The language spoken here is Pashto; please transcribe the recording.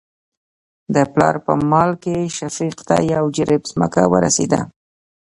د پلار په مال کې شفيق ته يو جرېب ځمکه ورسېده.